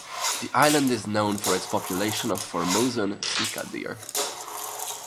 The island is known for its population of Formosan sika deer.